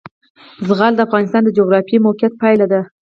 زغال د افغانستان د جغرافیایي موقیعت پایله ده.